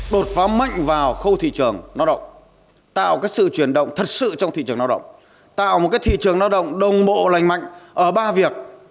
đột phá mạnh vào khâu thị trường lao động tạo sự chuyển động thật sự trong thị trường lao động tạo một thị trường lao động đồng bộ lành mạnh ở ba việc